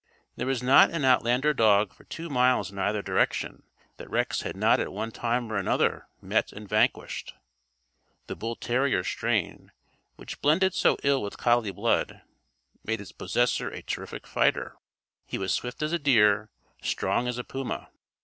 There was not an outlander dog for two miles in either direction that Rex had not at one time or another met and vanquished. The bull terrier strain, which blended so ill with collie blood, made its possessor a terrific fighter. He was swift as a deer, strong as a puma.